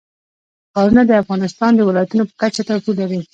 ښارونه د افغانستان د ولایاتو په کچه توپیر لري.